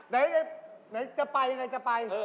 เดี๋ยวจะไปยังไงจะไป